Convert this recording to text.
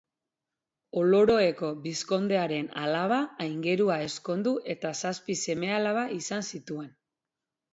Oloroeko bizkondearen alaba Aingerua ezkondu eta zazpi seme-alaba izan zituen.